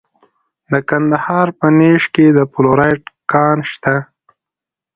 د کندهار په نیش کې د فلورایټ کان شته.